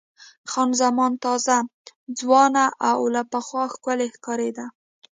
خان زمان تازه، ځوانه او له پخوا ښکلې ښکارېده.